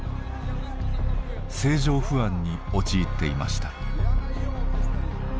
政情不安に陥っていました。